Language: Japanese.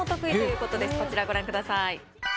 こちらご覧ください。